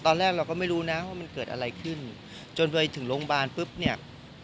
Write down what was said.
ตอนแรกเราก็ไม่รู้นะว่ามันเกิดอะไรขึ้นจนไปถึงโรงพยาบาลปุ๊บเนี่ย